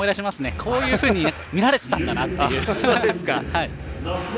こういうふうに見られていたんだなって。